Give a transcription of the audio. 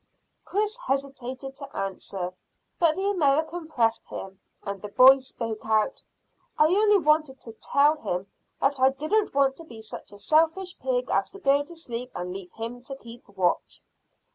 Chris hesitated to answer, but the American pressed him, and the boy spoke out. "I only wanted to tell him that I didn't want to be such a selfish pig as to go to sleep and leave him to keep watch."